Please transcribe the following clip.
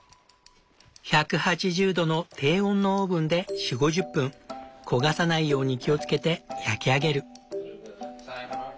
１８０度の低温のオーブンで４０５０分焦がさないように気を付けて焼き上げる。